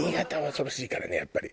恐ろしいからねやっぱり。